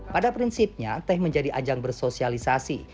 pada prinsipnya teh menjadi ajang bersosialisasi